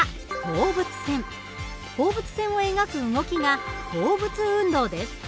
放物線を描く動きが放物運動です。